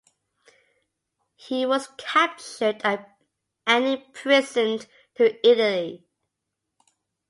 He was captured and imprisoned in Italy.